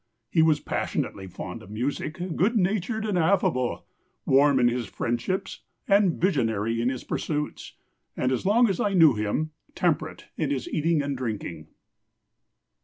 He was passionately fond of music, good natured and affable, warm in his friendships and visionary in his pursuits, and, as long as I knew him, temperate in his eating and drinking."